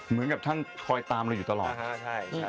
เหมือนกับท่านคอยตามเราอยู่ตลอด